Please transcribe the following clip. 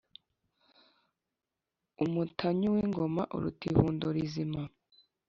Umutanyu w’ingoma uruta ihundo rizima.